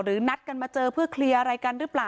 หรือนัดกันมาเจอเพื่อเข้าใจอะไรกันหรือเปล่า